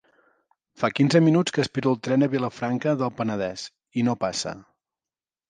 Fa quinze minuts que espero el tren a Vilafranca del Penedès i no passa.